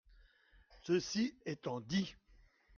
Ceci étant dit…